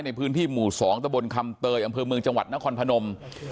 ในพื้นที่หมู่๒ตะบนคำเตยอำเภอเมืองจังหวัดนครพนม